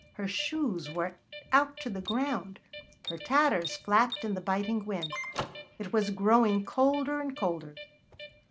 Her shoes were out to the ground; her tatters flapped in the biting wind. It was growing colder and colder.